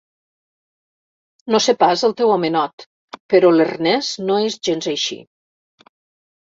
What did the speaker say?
No sé pas el teu homenot, però l'Ernest no és gens així.